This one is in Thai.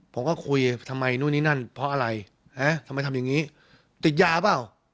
ผมก็คุยทำไมนู่นนี่นั่นเพราะอะไรทำไมทำอย่างนี้ติดยาเปล่า